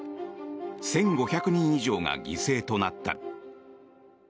１５００人以上が犠牲となった。